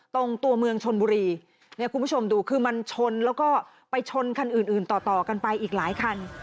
ตัวเมืองชนบุรีเนี่ยคุณผู้ชมดูคือมันชนแล้วก็ไปชนคันอื่นอื่นต่อต่อกันไปอีกหลายคัน